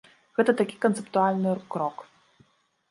Гэта такі канцэптуальны крок.